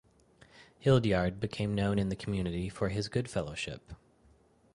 Hildyard became known in the community for his good fellowship.